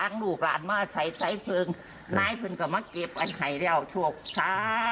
โง่มือช่องยายใช่ไหมล่ะจ๊ะ